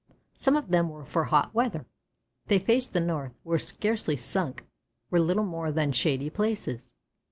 Some of them were for hot weather; they faced the north, were scarcely sunk, were little more than shady places.